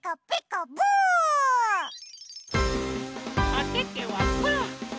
おててはパー！